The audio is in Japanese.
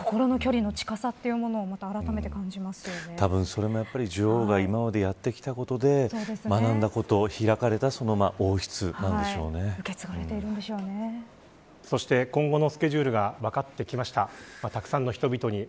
心の距離の近さというものをそれもやっぱり女王が今までやってきたことで学んだこと受け継がれてそして今後のスケジュールが分かってきました。